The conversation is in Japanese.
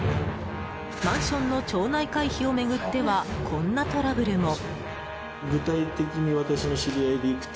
マンションの町内会費を巡ってはこんなトラブルも。